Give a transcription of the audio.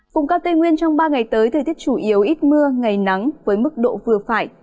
vùng cao tây nguyên trong ba ngày tới thời tiết chủ yếu ít mưa ngày nắng với mức độ vừa phải